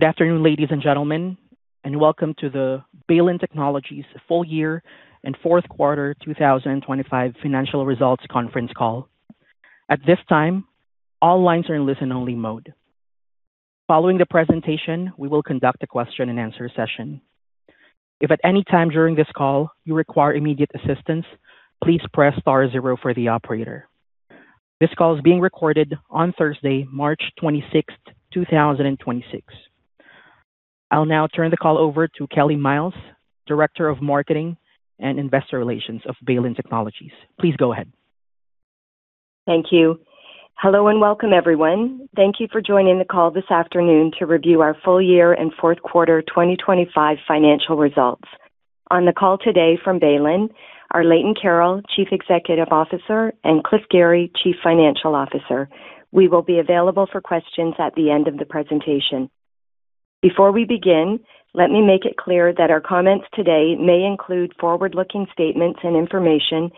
Good afternoon, ladies and gentlemen, and welcome to the Baylin Technologies full year and fourth quarter 2025 financial results conference call. At this time, all lines are in listen-only mode. Following the presentation, we will conduct a question-and-answer session. If at any time during this call you require immediate assistance, please press star zero for the operator. This call is being recorded on Thursday, March 26th, 2026. I'll now turn the call over to Kelly Myles, Director of Marketing and Investor Relations of Baylin Technologies. Please go ahead. Thank you. Hello and welcome, everyone. Thank you for joining the call this afternoon to review our full year and fourth quarter 2025 financial results. On the call today from Baylin, are Leighton Carroll, Chief Executive Officer, and Cliff Gary, Chief Financial Officer. We will be available for questions at the end of the presentation. Before we begin, let me make it clear that our comments today may include forward-looking statements and information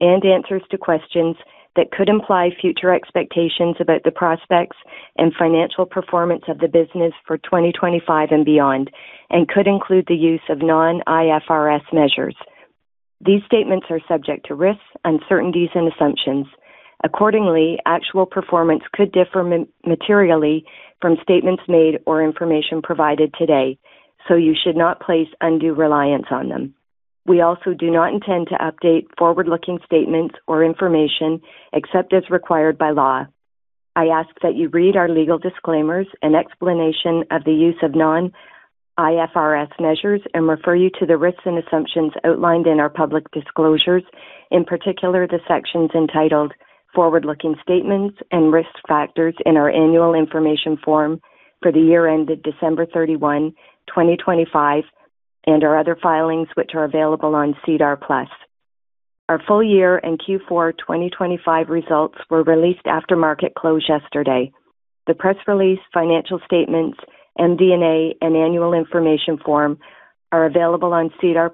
and answers to questions that could imply future expectations about the prospects and financial performance of the business for 2025 and beyond, and could include the use of non-IFRS measures. These statements are subject to risks, uncertainties and assumptions. Accordingly, actual performance could differ materially from statements made or information provided today, so you should not place undue reliance on them. We also do not intend to update forward-looking statements or information except as required by law. I ask that you read our legal disclaimers and explanation of the use of non-IFRS measures and refer you to the risks and assumptions outlined in our public disclosures, in particular the sections entitled Forward-Looking Statements and Risk Factors in our annual information form for the year ended December 31, 2025, and our other filings which are available on SEDAR+. Our full year and Q4 2025 results were released after market close yesterday. The press release, financial statements, MD&A, and annual information form are available on SEDAR+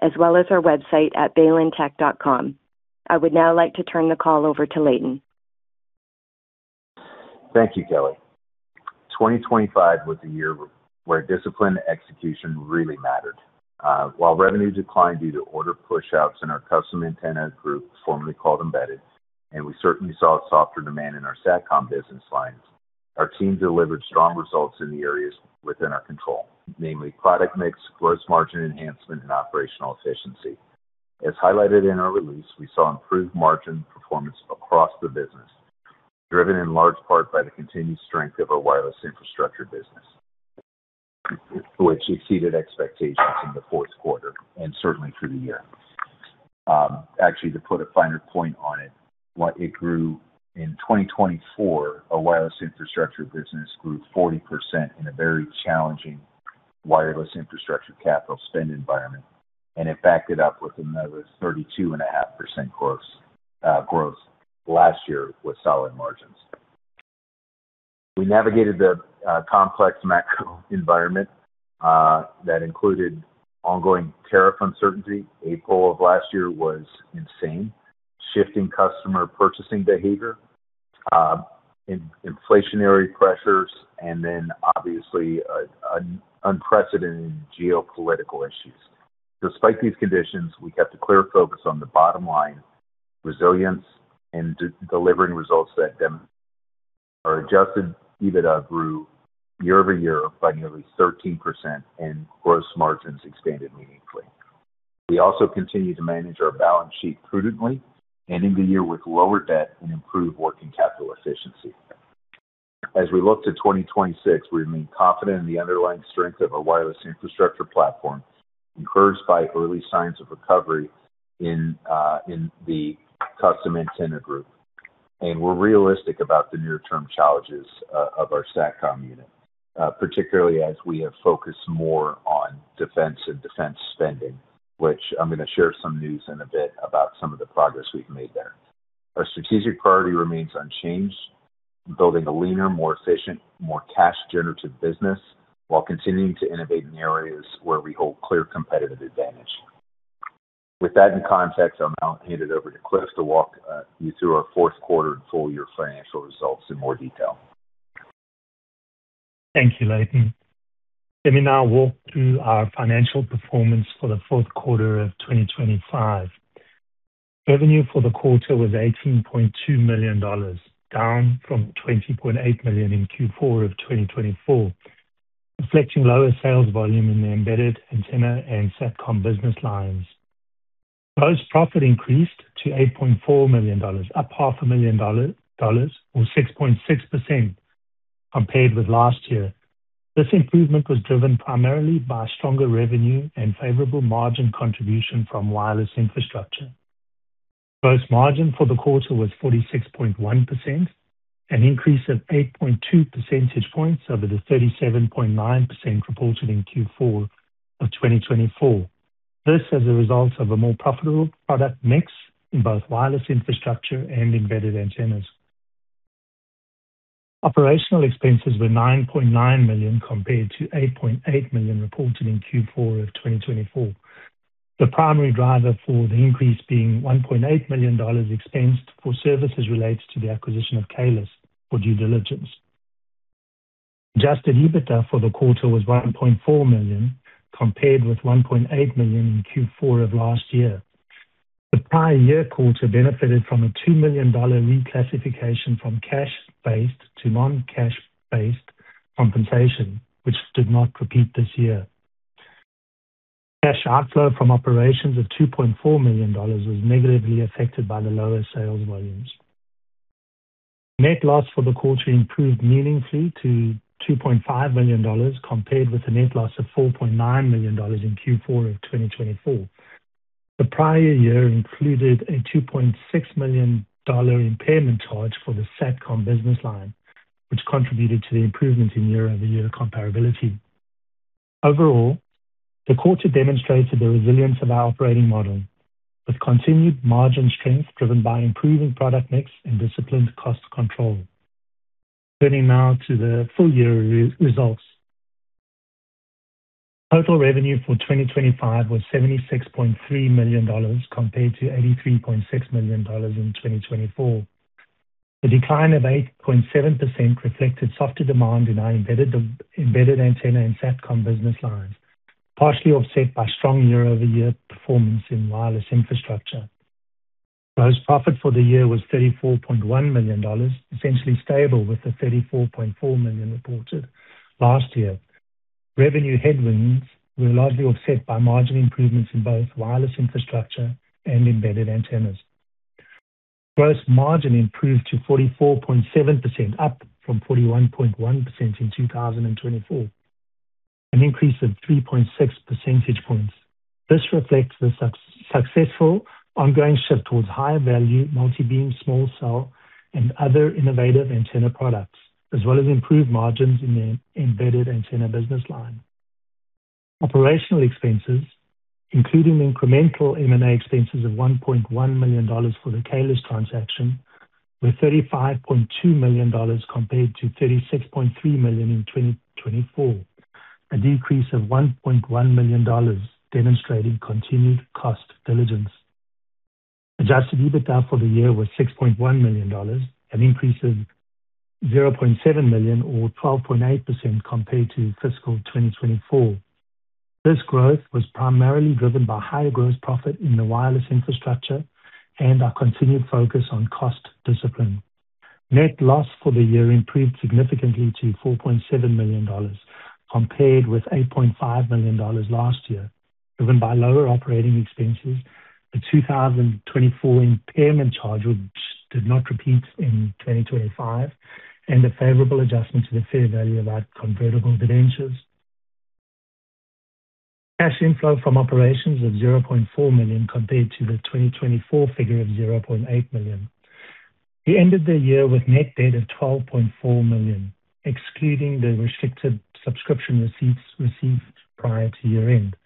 as well as our website at baylintech.com. I would now like to turn the call over to Leighton. Thank you, Kelly. 2025 was a year where disciplined execution really mattered. While revenue declined due to order pushouts in our custom antenna group, formerly called Embedded, and we certainly saw a softer demand in our Satcom business lines. Our team delivered strong results in the areas within our control, namely product mix, gross margin enhancement, and operational efficiency. As highlighted in our release, we saw improved margin performance across the business, driven in large part by the continued strength of our wireless infrastructure business, which exceeded expectations in the fourth quarter and certainly through the year. Actually, to put a finer point on it, what it grew in 2024, our wireless infrastructure business grew 40% in a very challenging wireless infrastructure capital spend environment, and it backed it up with another 32.5% gross growth last year with solid margins. We navigated the complex macro environment that included ongoing tariff uncertainty. April of last year was insane. Shifting customer purchasing behavior, in inflationary pressures and then obviously, unprecedented geopolitical issues. Despite these conditions, we kept a clear focus on the bottom line, resilience, and delivering results. Our adjusted EBITDA grew year-over-year by nearly 13% and gross margins expanded meaningfully. We also continue to manage our balance sheet prudently, ending the year with lower debt and improved working capital efficiency. As we look to 2026, we remain confident in the underlying strength of our wireless infrastructure platform, encouraged by early signs of recovery in the custom antenna group. We're realistic about the near-term challenges of our Satcom unit, particularly as we have focused more on defense and defense spending, which I'm going to share some news in a bit about some of the progress we've made there. Our strategic priority remains unchanged, building a leaner, more efficient, more cash generative business while continuing to innovate in areas where we hold clear competitive advantage. With that in context, I'll now hand it over to Cliff to walk you through our fourth quarter and full year financial results in more detail. Thank you, Leighton. Let me now walk through our financial performance for the fourth quarter of 2025. Revenue for the quarter was 18.2 million dollars, down from 20.8 million in Q4 of 2024, reflecting lower sales volume in the embedded antenna and Satcom business lines. Gross profit increased to 8.4 million dollars, up 0.5 million dollars or 6.6% compared with last year. This improvement was driven primarily by stronger revenue and favorable margin contribution from wireless infrastructure. Gross margin for the quarter was 46.1%, an increase of 8.2 percentage points over the 37.9% reported in Q4 of 2024. This, as a result of a more profitable product mix in both wireless infrastructure and embedded antennas. Operational expenses were 9.9 million, compared to 8.8 million reported in Q4 of 2024. The primary driver for the increase was 1.8 million dollars expensed for services related to the acquisition of Kaelus for due diligence. Adjusted EBITDA for the quarter was 1.4 million, compared with 1.8 million in Q4 of last year. The prior year quarter benefited from a 2 million dollar reclassification from cash-based to non-cash-based compensation, which did not repeat this year. Cash outflow from operations of 2.4 million dollars was negatively affected by the lower sales volumes. Net loss for the quarter improved meaningfully to 2.5 million dollars, compared with a net loss of 4.9 million dollars in Q4 of 2024. The prior year included a 2.6 million dollar impairment charge for the Satcom business line, which contributed to the improvement in year-over-year comparability. Overall, the quarter demonstrated the resilience of our operating model with continued margin strength driven by improving product mix and disciplined cost control. Turning now to the full-year results. Total revenue for 2025 was 76.3 million dollars compared to 83.6 million dollars in 2024. The decline of 8.7% reflected softer demand in our embedded antenna and Satcom business lines, partially offset by strong year-over-year performance in wireless infrastructure. Gross profit for the year was 34.1 million dollars, essentially stable with the 34.4 million reported last year. Revenue headwinds were largely offset by margin improvements in both wireless infrastructure and embedded antennas. Gross margin improved to 44.7%, up from 41.1% in 2024, an increase of 3.6 percentage points. This reflects the successful ongoing shift towards higher value multi-beam small cell and other innovative antenna products, as well as improved margins in the embedded antenna business line. Operational expenses, including incremental M&A expenses of 1.1 million dollars for the Kaelus transaction, were 35.2 million dollars compared to 36.3 million in 2024. A decrease of 1.1 million dollars, demonstrating continued cost diligence. Adjusted EBITDA for the year was 6.1 million dollars, an increase of 0.7 million or 12.8% compared to fiscal 2024. This growth was primarily driven by higher gross profit in the wireless infrastructure and our continued focus on cost discipline. Net loss for the year improved significantly to 4.7 million dollars compared with 8.5 million dollars last year, driven by lower operating expenses, the 2024 impairment charge, which did not repeat in 2025, and a favorable adjustment to the fair value of our convertible debentures. Cash inflow from operations of 0.4 million compared to the 2024 figure of 0.8 million. We ended the year with net debt of 12.4 million, excluding the restricted subscription receipts received prior to year-end.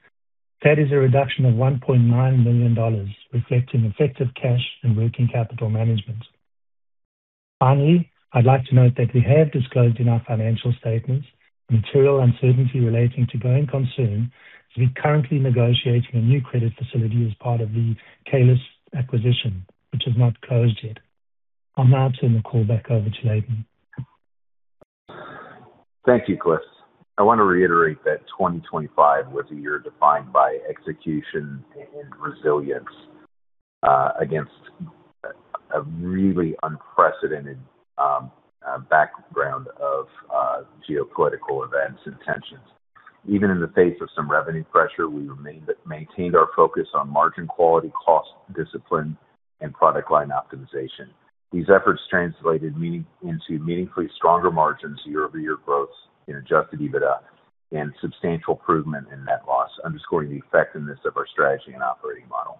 That is a reduction of 1.9 million dollars, reflecting effective cash and working capital management. Finally, I'd like to note that we have disclosed in our financial statements material uncertainty relating to going concern as we're currently negotiating a new credit facility as part of the Kaelus acquisition, which has not closed yet. I'll now turn the call back over to Leighton Carroll. Thank you, Cliff. I want to reiterate that 2025 was a year defined by execution and resilience against a really unprecedented background of geopolitical events and tensions. Even in the face of some revenue pressure, we maintained our focus on margin quality, cost discipline, and product line optimization. These efforts translated into meaningfully stronger margins, year-over-year growth in adjusted EBITDA and substantial improvement in net loss, underscoring the effectiveness of our strategy and operating model.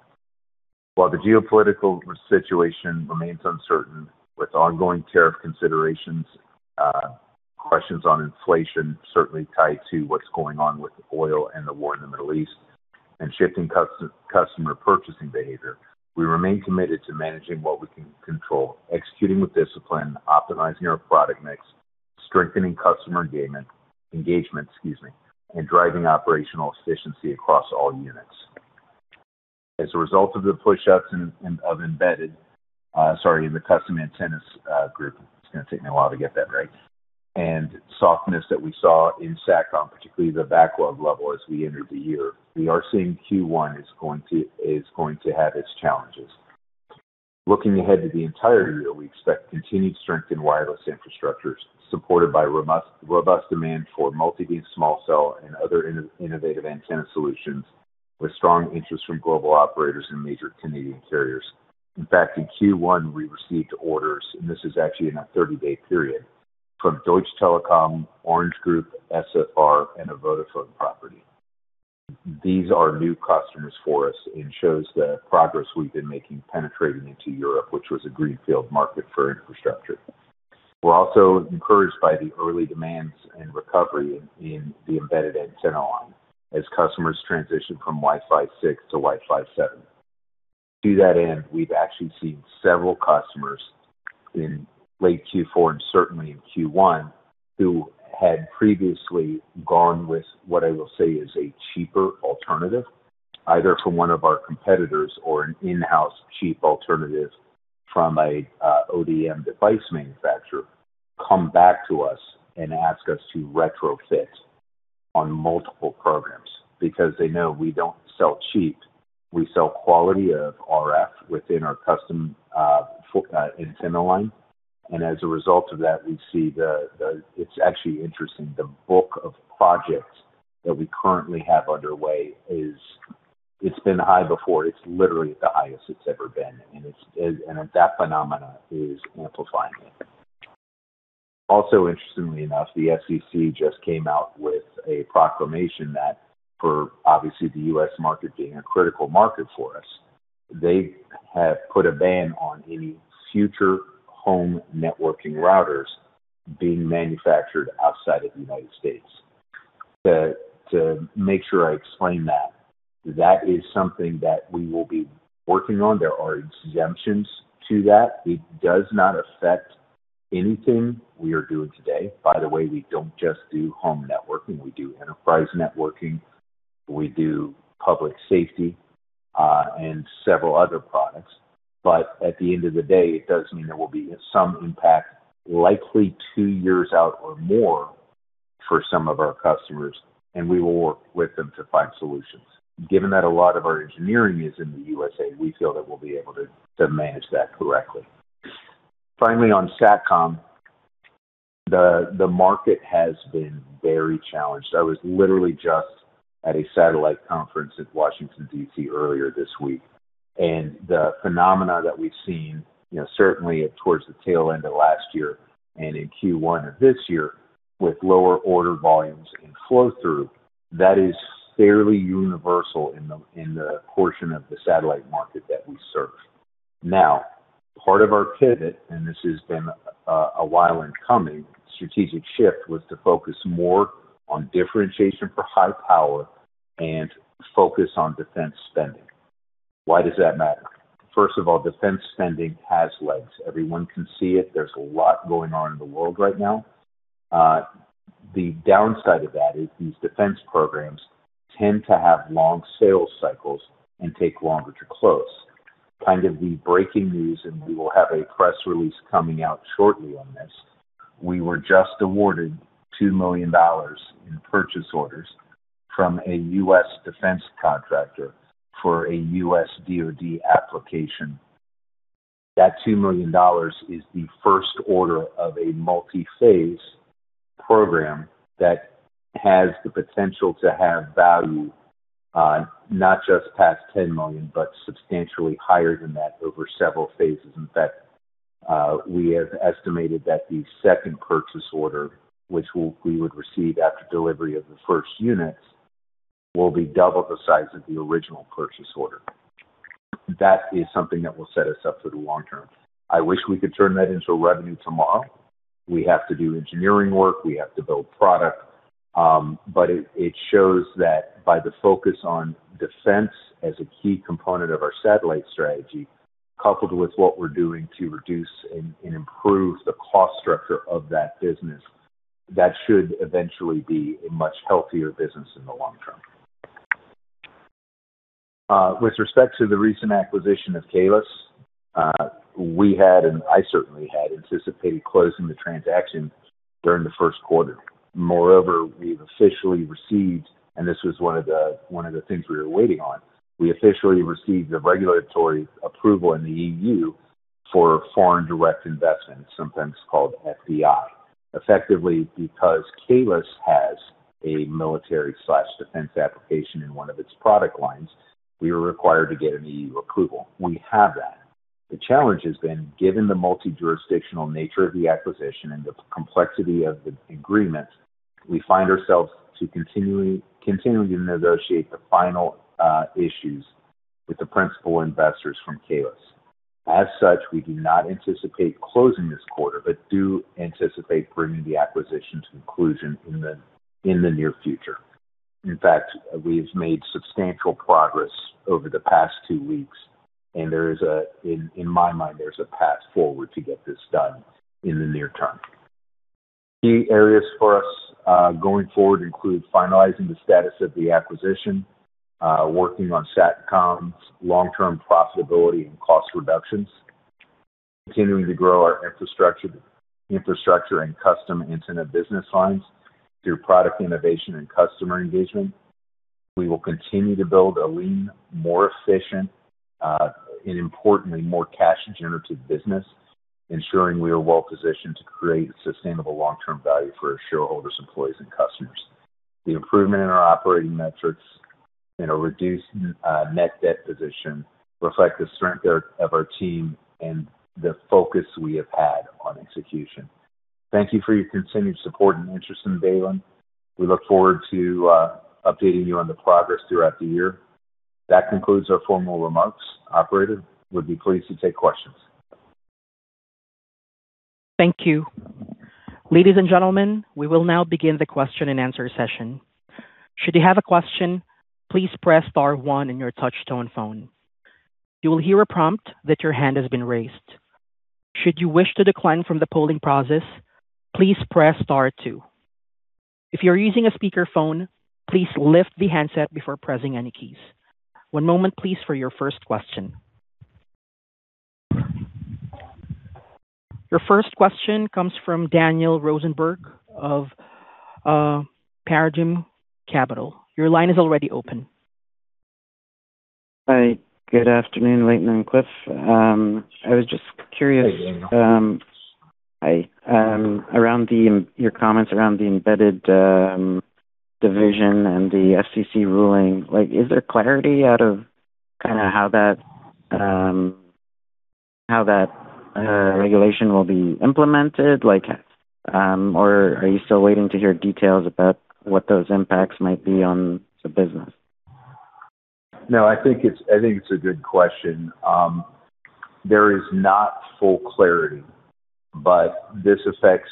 While the geopolitical situation remains uncertain with ongoing tariff considerations, questions on inflation certainly tied to what's going on with oil and the war in the Middle East and shifting customer purchasing behavior. We remain committed to managing what we can control, executing with discipline, optimizing our product mix, strengthening customer engagement and driving operational efficiency across all units. As a result of the pushouts and in the custom antenna group, and softness that we saw in Satcom, particularly the backlog level as we entered the year. We are seeing Q1 is going to have its challenges. Looking ahead to the entire year, we expect continued strength in wireless infrastructures, supported by robust demand for multi-beam small cell and other innovative antenna solutions, with strong interest from global operators and major Canadian carriers. In fact, in Q1 we received orders, and this is actually in a 30-day period, from Deutsche Telekom, Orange Group, SFR, and a Vodafone property. These are new customers for us and shows the progress we've been making penetrating into Europe, which was a greenfield market for infrastructure. We're also encouraged by the early demands and recovery in the embedded antenna arm as customers transition from Wi-Fi 6 to Wi-Fi 7. To that end, we've actually seen several customers in late Q4 and certainly in Q1 who had previously gone with what I will say is a cheaper alternative, either from one of our competitors or an in-house cheap alternative from an ODM device manufacturer, come back to us and ask us to retrofit on multiple programs because they know we don't sell cheap. We sell quality of RF within our custom antenna line. As a result of that, we see it's actually interesting, the book of projects that we currently have underway is. It's been high before. It's literally the highest it's ever been, and that phenomena is amplifying. Also, interestingly enough, the FCC just came out with a proclamation that for, obviously, the U.S. market being a critical market for us, they have put a ban on any future home networking routers being manufactured outside of the United States. To make sure I explain that is something that we will be working on. There are exemptions to that. It does not affect anything we are doing today. By the way, we don't just do home networking. We do enterprise networking, we do public safety, and several other products. But at the end of the day, it does mean there will be some impact, likely two years out or more, for some of our customers, and we will work with them to find solutions. Given that a lot of our engineering is in the U.S., we feel that we'll be able to manage that correctly. Finally, on Satcom, the market has been very challenged. I was literally just at a satellite conference in Washington, D.C. earlier this week, and the phenomena that we've seen, you know, certainly towards the tail end of last year and in Q1 of this year, with lower order volumes and flow through, that is fairly universal in the portion of the satellite market that we serve. Now, part of our pivot, and this has been a while in coming, strategic shift, was to focus more on differentiation for high power and focus on defense spending. Why does that matter? First of all, defense spending has legs. Everyone can see it. There's a lot going on in the world right now. The downside of that is these defense programs tend to have long sales cycles and take longer to close. Kind of the breaking news. We will have a press release coming out shortly on this. We were just awarded $2 million in purchase orders from a U.S. defense contractor for a U.S. DoD application. That $2 million is the first order of a multi-phase program that has the potential to have value, not just past $10 million, but substantially higher than that over several phases. In fact, we have estimated that the second purchase order, which we would receive after delivery of the first units, will be double the size of the original purchase order. That is something that will set us up for the long term. I wish we could turn that into a revenue tomorrow. We have to do engineering work. We have to build product. It shows that by the focus on defense as a key component of our satellite strategy, coupled with what we're doing to reduce and improve the cost structure of that business, that should eventually be a much healthier business in the long term. With respect to the recent acquisition of Kaelus, I certainly had anticipated closing the transaction during the first quarter. Moreover, we've officially received the regulatory approval in the EU for foreign direct investment, sometimes called FDI, and this was one of the things we were waiting on. Effectively, because Kaelus has a military/defense application in one of its product lines, we were required to get an EU approval. We have that. The challenge has been, given the multi-jurisdictional nature of the acquisition and the complexity of the agreement, we find ourselves to continually negotiate the final issues with the principal investors from Kaelus. As such, we do not anticipate closing this quarter, but do anticipate bringing the acquisition to conclusion in the near future. In fact, we've made substantial progress over the past two weeks, and in my mind, there's a path forward to get this done in the near term. Key areas for us going forward include finalizing the status of the acquisition, working on Satcom's long-term profitability and cost reductions, continuing to grow our infrastructure and custom antenna business lines through product innovation and customer engagement. We will continue to build a lean, more efficient, and importantly, more cash generative business, ensuring we are well positioned to create sustainable long-term value for our shareholders, employees and customers. The improvement in our operating metrics and a reduced net debt position reflect the strength of our team and the focus we have had on execution. Thank you for your continued support and interest in Baylin. We look forward to updating you on the progress throughout the year. That concludes our formal remarks. Operator, we'll be pleased to take questions. Thank you. Ladies and gentlemen, we will now begin the question and answer session. Should you have a question, please press star one on your touch-tone phone. You will hear a prompt that your hand has been raised. Should you wish to decline from the polling process, please press star two. If you're using a speakerphone, please lift the handset before pressing any keys. One moment, please, for your first question. Your first question comes from Daniel Rosenberg of Paradigm Capital. Your line is already open. Hi. Good afternoon, Leighton and Cliff. I was just curious, Hey, Daniel. Hi. Around your comments around the embedded division and the FCC ruling. Like, is there clarity out of kinda how that regulation will be implemented? Like, or are you still waiting to hear details about what those impacts might be on the business? No, I think it's a good question. There is not full clarity, but this affects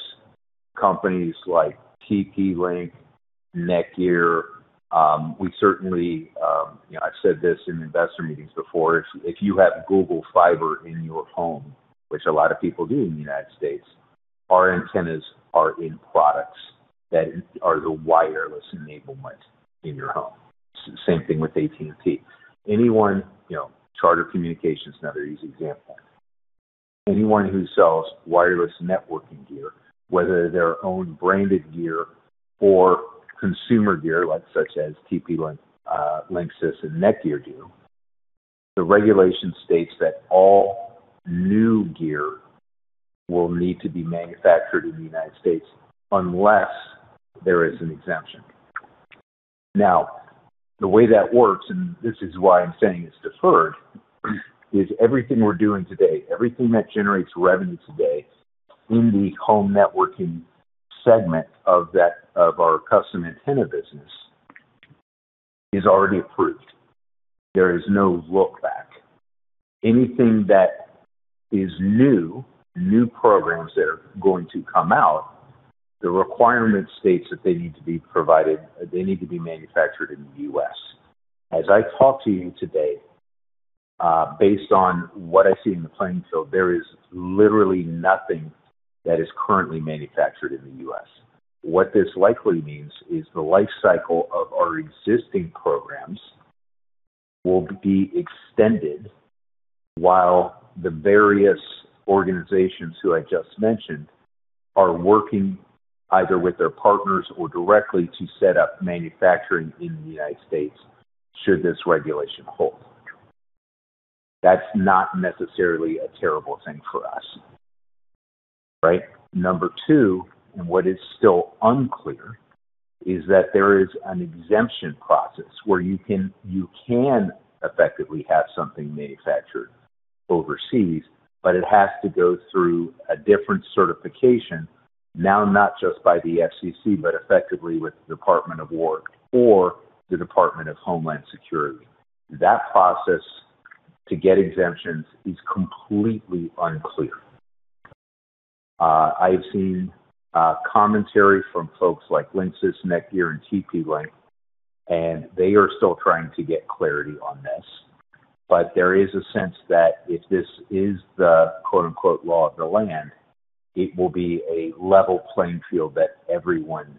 companies like TP-Link, NETGEAR. We certainly, you know, I've said this in investor meetings before, if you have Google Fiber in your home, which a lot of people do in the United States, our antennas are in products that are the wireless enablement in your home. Same thing with AT&T. Anyone, you know, Charter Communications is another easy example. Anyone who sells wireless networking gear, whether their own branded gear or consumer gear, like, such as TP-Link, Linksys and NETGEAR do, the regulation states that all new gear will need to be manufactured in the United States unless there is an exemption. Now, the way that works, and this is why I'm saying it's deferred, is everything we're doing today, everything that generates revenue today in the home networking segment of that, of our custom antenna business is already approved. There is no look back. Anything that is new programs that are going to come out, the requirement states that they need to be provided, they need to be manufactured in the U.S. As I talk to you today, based on what I see in the playing field, there is literally nothing that is currently manufactured in the U.S. What this likely means is the life cycle of our existing programs will be extended while the various organizations who I just mentioned are working either with their partners or directly to set up manufacturing in the United States should this regulation hold. That's not necessarily a terrible thing for us, right? Number two, what is still unclear, is that there is an exemption process where you can effectively have something manufactured overseas, but it has to go through a different certification now not just by the FCC, but effectively with the Department of Defense or the Department of Homeland Security. That process to get exemptions is completely unclear. I've seen commentary from folks like Linksys, NETGEAR and TP-Link, and they are still trying to get clarity on this. But there is a sense that if this is the quote-unquote law of the land, it will be a level playing field that everyone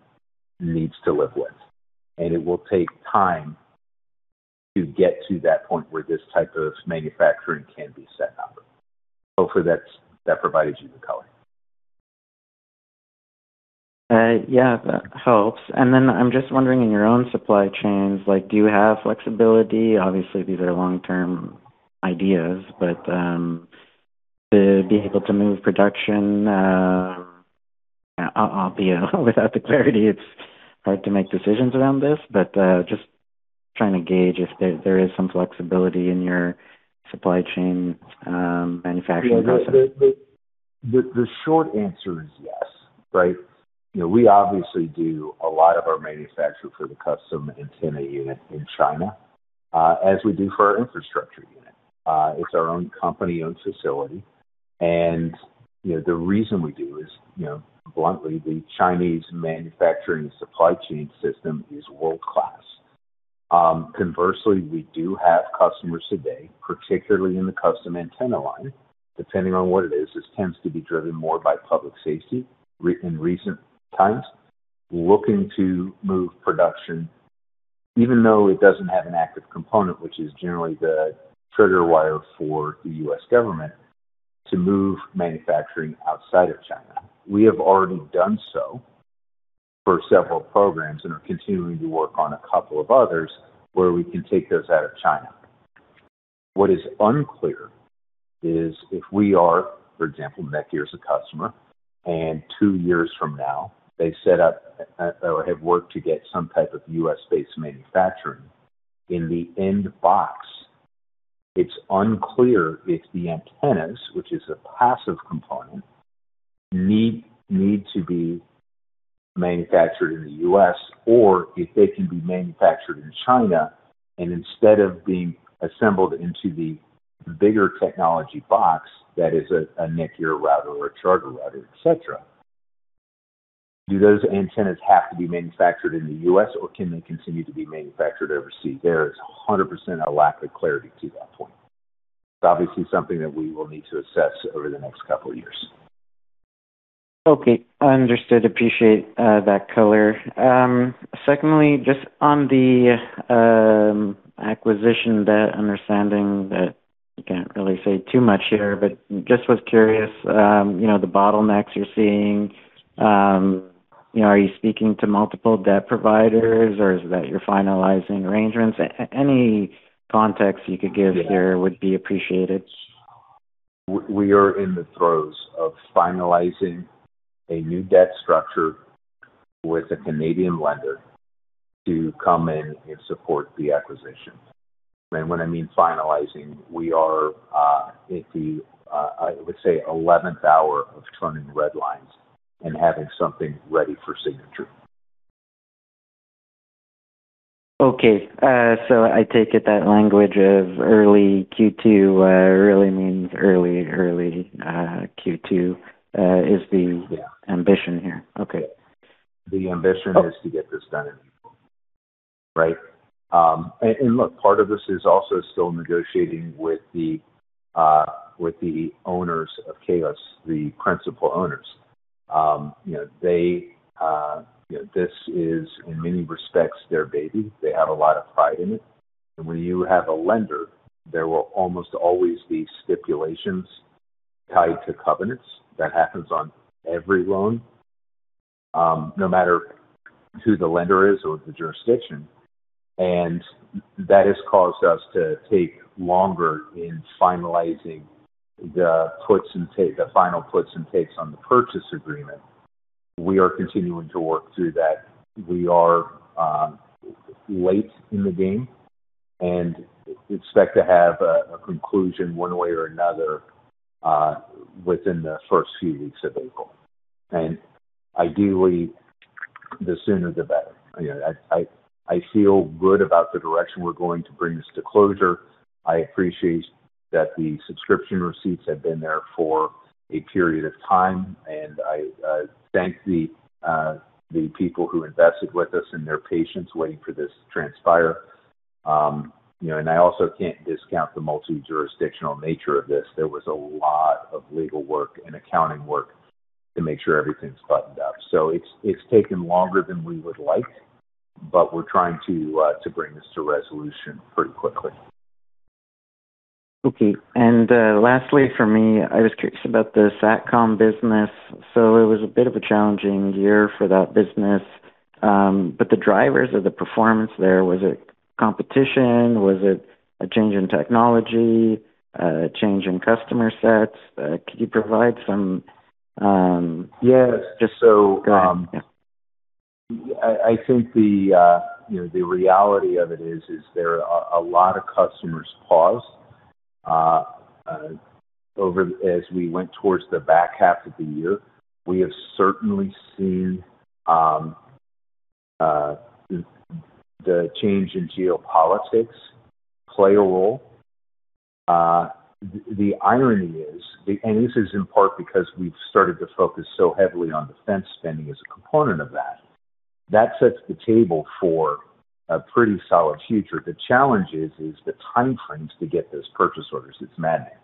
needs to live with, and it will take time to get to that point where this type of manufacturing can be set up. Hopefully, that provides you the color. Yeah, that helps. I'm just wondering, in your own supply chains, like, do you have flexibility? Obviously, these are long-term ideas, but to be able to move production. Yeah, without the clarity, it's hard to make decisions around this. Just trying to gauge if there is some flexibility in your supply chain, manufacturing process. The short answer is yes, right? You know, we obviously do a lot of our manufacture for the custom antenna unit in China, as we do for our infrastructure unit. It's our own company-owned facility. You know, the reason we do is, you know, bluntly, the Chinese manufacturing supply chain system is world-class. Conversely, we do have customers today, particularly in the custom antenna line, depending on what it is. This tends to be driven more by public safety requirements in recent times, looking to move production even though it doesn't have an active component, which is generally the trigger for the U.S. government to move manufacturing outside of China. We have already done so for several programs and are continuing to work on a couple of others where we can take those out of China. What is unclear is if we are, for example, NETGEAR is a customer, and two years from now, they set up or have worked to get some type of U.S.-based manufacturing. In the end box, it's unclear if the antennas, which is a passive component, need to be manufactured in the U.S. or if they can be manufactured in China and instead of being assembled into the bigger technology box that is a NETGEAR router or a Charter router, et cetera. Do those antennas have to be manufactured in the U.S. or can they continue to be manufactured overseas? There is 100% a lack of clarity to that point. It's obviously something that we will need to assess over the next couple of years. Okay. Understood. Appreciate that color. Secondly, just on the acquisition debt, understanding that you can't really say too much here, but I just was curious, you know, the bottlenecks you're seeing, you know, are you speaking to multiple debt providers or is that you're finalizing arrangements? Any context you could give here would be appreciated. We are in the throes of finalizing a new debt structure with a Canadian lender to come in and support the acquisition. I mean finalizing, we are in the I would say eleventh hour of turning red lines and having something ready for signature. Okay. I take it that language of early Q2 really means early Q2 is the- Yeah. ambition here. Okay. The ambition is to get this done in April. Right? And look, part of this is also still negotiating with the owners of Kaelus, the principal owners. You know, they, you know, this is in many respects their baby. They have a lot of pride in it. When you have a lender, there will almost always be stipulations tied to covenants. That happens on every loan, no matter who the lender is or the jurisdiction. That has caused us to take longer in finalizing the final puts and takes on the purchase agreement. We are continuing to work through that. We are late in the game and expect to have a conclusion one way or another, within the first few weeks of April. Ideally, the sooner the better. You know, I feel good about the direction we're going to bring this to closure. I appreciate that the subscription receipts have been there for a period of time, and I thank the people who invested with us and their patience waiting for this to transpire. You know, I also can't discount the multi-jurisdictional nature of this. There was a lot of legal work and accounting work to make sure everything's buttoned up. It's taken longer than we would like, but we're trying to bring this to resolution pretty quickly. Okay. Lastly for me, I was curious about the Satcom business. It was a bit of a challenging year for that business, but the drivers of the performance there, was it competition? Was it a change in technology, a change in customer sets? Could you provide some? Yes. Go ahead. Yeah. I think you know the reality of it is there are a lot of customers paused as we went towards the back half of the year. We have certainly seen the change in geopolitics play a role. The irony is, and this is in part because we've started to focus so heavily on defense spending as a component of that. That sets the table for a pretty solid future. The challenge is the timeframes to get those purchase orders. It's maddening.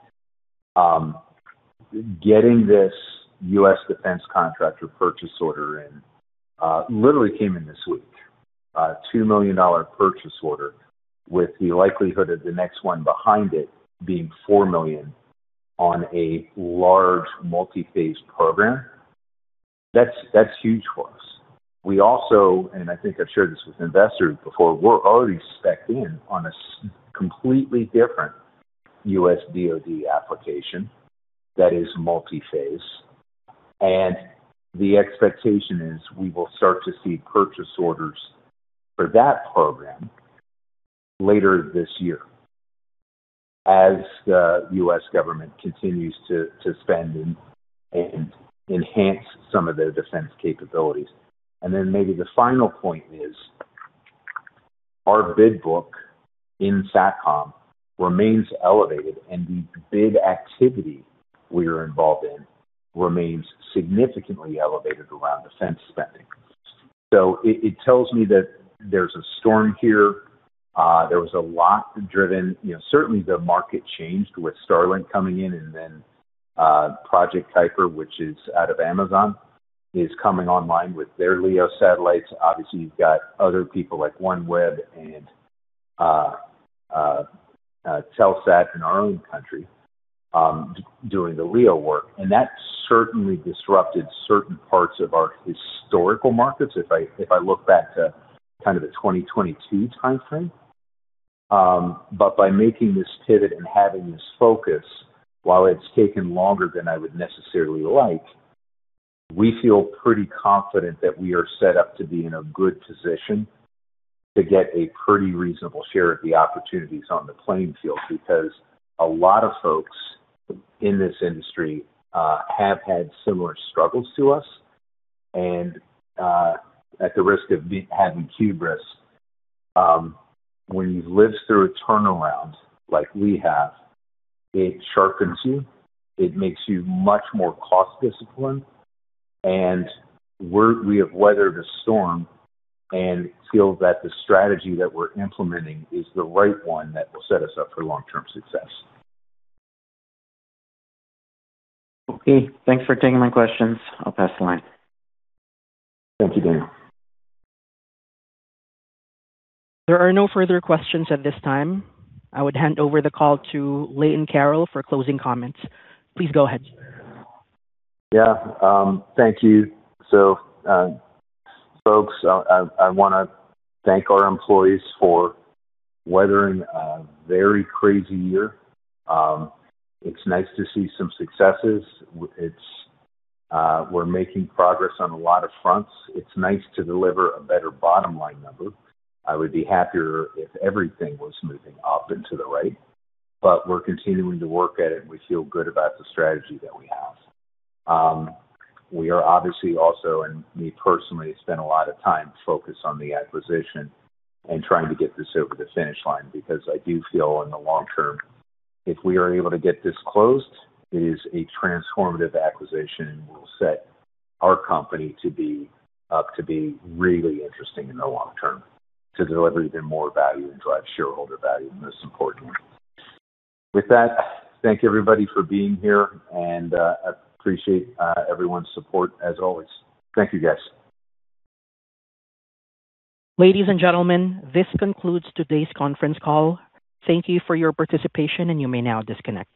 Getting this U.S. defense contractor purchase order in literally came in this week. A $2 million purchase order with the likelihood of the next one behind it being $4 million on a large multi-phase program. That's huge for us. We also, and I think I've shared this with investors before, we're already specced in on a completely different U.S. DoD application that is multi-phase. The expectation is we will start to see purchase orders for that program later this year as the U.S. government continues to spend and enhance some of their defense capabilities. Maybe the final point is our bid book in Satcom remains elevated, and the bid activity we are involved in remains significantly elevated around defense spending. It tells me that there's a storm here. There was a lot driven. You know, certainly the market changed with Starlink coming in and then Project Kuiper, which is out of Amazon, is coming online with their LEO satellites. Obviously, you've got other people like OneWeb and Telesat in our own country, doing the LEO work, and that certainly disrupted certain parts of our historical markets, if I look back to kind of the 2022 timeframe. But by making this pivot and having this focus, while it's taken longer than I would necessarily like, we feel pretty confident that we are set up to be in a good position to get a pretty reasonable share of the opportunities on the playing field, because a lot of folks in this industry have had similar struggles to us. At the risk of behaving hubris, when you've lived through a turnaround like we have, it sharpens you. It makes you much more cost discipline. We have weathered a storm and feel that the strategy that we're implementing is the right one that will set us up for long-term success. Okay, thanks for taking my questions. I'll pass the line. Thank you, Daniel. There are no further questions at this time. I would hand over the call to Leighton Carroll for closing comments. Please go ahead. Yeah, thank you. Folks, I wanna thank our employees for weathering a very crazy year. It's nice to see some successes. We're making progress on a lot of fronts. It's nice to deliver a better bottom line number. I would be happier if everything was moving up into the right, but we're continuing to work at it, and we feel good about the strategy that we have. We are obviously also, and me personally, spend a lot of time focused on the acquisition and trying to get this over the finish line because I do feel in the long term, if we are able to get this closed, it is a transformative acquisition, and we'll set our company to be really interesting in the long term, to deliver even more value and drive shareholder value, most importantly. With that, I thank everybody for being here, and I appreciate everyone's support as always. Thank you, guys. Ladies and gentlemen, this concludes today's conference call. Thank you for your participation, and you may now disconnect.